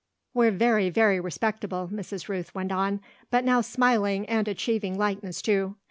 "We're very, very respectable," Mrs. Rooth went on, but now smiling and achieving lightness too.